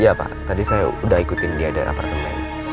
iya pak tadi saya udah ikutin dia di apartemen